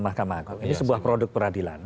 mahkamah agung ini sebuah produk peradilan